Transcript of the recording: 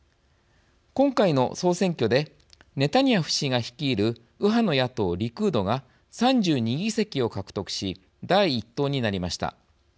今回の総選挙でネタニヤフ氏が率いる右派の野党リクードが３２議席を獲得し第１党になりました。